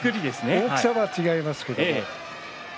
大きさは違いますけど。